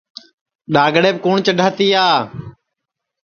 ڈؔاگڑیپ کُوٹؔ چڈھا تیا